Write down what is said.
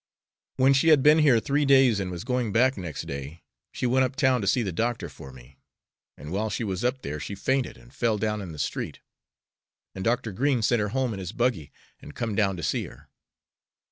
When she had been here three days and was going back next day, she went up town to see the doctor for me, and while she was up there she fainted and fell down in the street, and Dr. Green sent her home in his buggy and come down to see her.